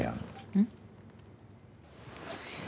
うん。